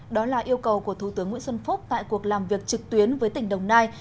đó là yêu cầu của thủ tướng nguyễn xuân phúc tại cuộc làm việc trực tuyến với tỉnh đồng nai